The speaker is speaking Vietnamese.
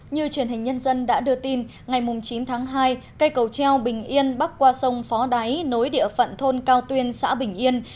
như truyền hình nhân dân đã đưa tin ngày chín tháng hai cây cầu treo bình yên bắc qua sông phó đáy nối địa phận thôn cao tuyên xã bình yên